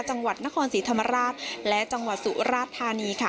จังหวัดนครศรีธรรมราชและจังหวัดสุราธานีค่ะ